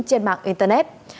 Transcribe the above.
trên mạng internet